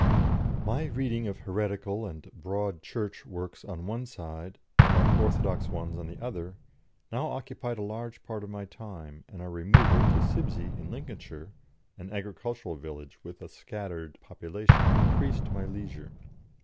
My reading of heretical and Broad Church works on one side, and of orthodox ones on the other, now occupied a large part of my time, and our removal to Sibsey, in Lincolnshire, an agricultural village with a scattered population, increased my leisure.